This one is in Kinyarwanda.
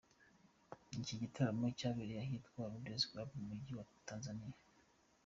Iki gitaramo cyabereye ahitwa Leaders Club mu mujyi wa Tanzaniya.